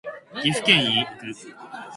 岐阜県へ行く